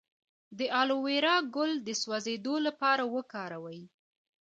د الوویرا ګل د سوځیدو لپاره وکاروئ